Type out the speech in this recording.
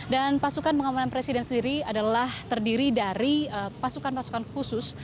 dan pasukan pengamanan presiden sendiri adalah terdiri dari pasukan pasukan khusus